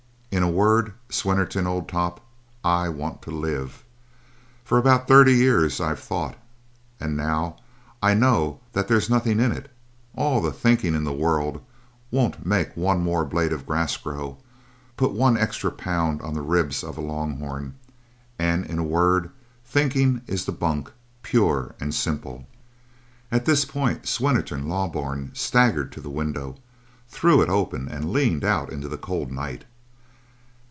"In a word, Swinnerton, old top, I want to live. For about thirty years I've thought, and now I know that there's nothing in it. All the thinking in the world won't make one more blade of grass grow; put one extra pound on the ribs of a long horn; and in a word, thinking is the bunk, pure and simple!" At this point Swinnerton Loughburne staggered to the window, threw it open, and leaned out into the cold night.